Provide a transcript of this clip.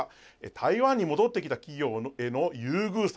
台湾に戻ってきた企業への優遇策